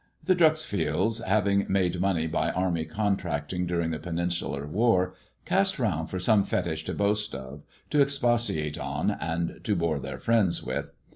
be Dreuxfields, having made money by army contract during the Peninsular War, cast round for some fetich Dast of, to expatiate on, and to bore their friends with.